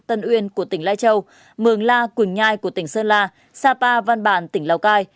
tân uyên của tỉnh lai châu mường la quỳnh nhai của tỉnh sơn la sapa văn bàn tỉnh lào cai